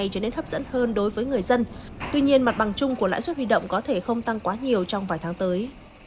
chung của lãi suất huy động có thể không tăng quá nhiều trong vài tháng tới